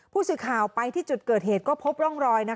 ผู้สื่อข่าวไปที่จุดเกิดเหตุก็พบร่องรอย